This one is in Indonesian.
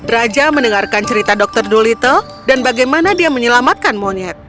raja mendengarkan cerita dr dolittle dan bagaimana dia menyelamatkan monyet